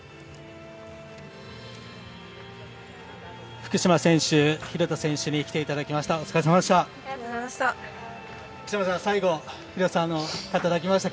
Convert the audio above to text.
福島選手、廣田選手に来ていただきました。